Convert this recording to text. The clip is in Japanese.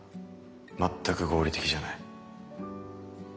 全く合理的じゃない。